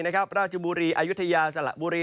นะครับราชบุรีอายุทยาสละบุรี